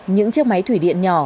những chiếc máy thủy điện nhỏ